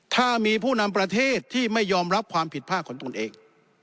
ถ้ามีผู้นำประเทศที่ไม่ยอมรับความผิดพลาดของตนเอง